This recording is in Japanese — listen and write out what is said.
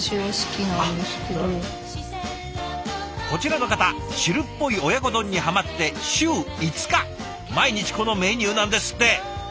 こちらの方汁っぽい親子丼にはまって週５日毎日このメニューなんですって。